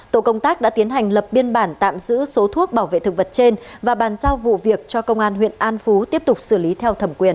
tổ công tác đã tiến hành lập biên bản tạm giữ số thuốc bảo vệ thực vật trên và bàn giao vụ việc cho công an huyện an phú tiếp tục xử lý theo thẩm quyền